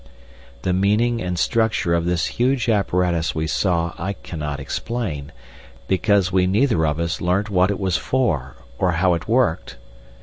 The meaning and structure of this huge apparatus we saw I cannot explain, because we neither of us learnt what it was for or how it worked.